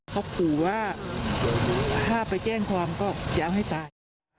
เขาขู่ว่าถ้าไปแจ้งความก็จะเอาให้ตาย